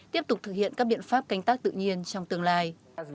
tiếp tục thực hiện các biện pháp canh tác tự nhiên trong tương lai